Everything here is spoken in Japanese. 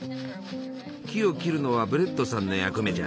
木を切るのはブレットさんの役目じゃ。